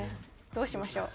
どうしましょう？